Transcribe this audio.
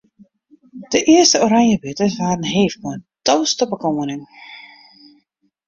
De earste oranjebitters waarden heefd mei in toast op 'e koaning.